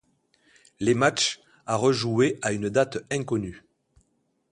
Les matches à rejouer à une date inconnue.